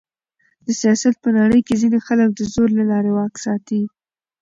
د سیاست په نړۍ کښي ځينې خلک د زور له لاري واک ساتي.